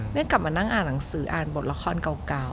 ได้กลับมานั่งอ่านหนังสืออ่านบทละครเก่า